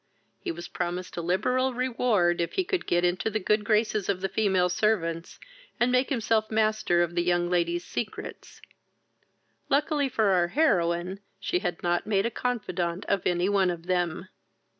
He was promised a liberal reward if he could get into the good graces of the female servants, and make himself master of the young lady's secrets; luckily for our heroine, she had not made a confidant of any one of them.